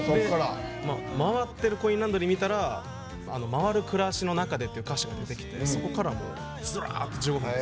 回ってるコインランドリー見たら「回る暮らしの中で」って歌詞ができてそこから、すらーっと。